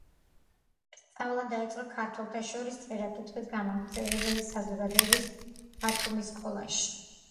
სწავლა დაიწყო ქართველთა შორის წერა-კითხვის გამავრცელებელი საზოგადოების ბათუმის სკოლაში.